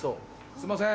すんません！